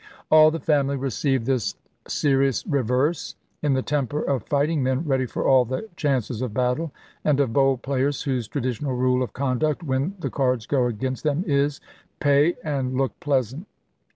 All the family received this serious reverse in the temper of fighting men ready for all the chances of battle, and of bold players whose traditional rule of conduct when the cards go against them is, " Pay and look pleasant."